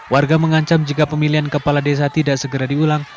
warga mengancam jika pemilihan kepala desa tidak segera diulang